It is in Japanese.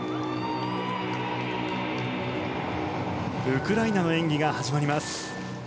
ウクライナの演技が始まります。